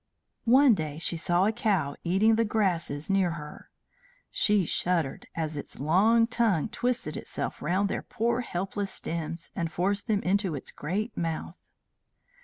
One day she saw a cow eating the grasses near her. She shuddered as its long tongue twisted itself round their poor helpless stems, and forced them into its great mouth.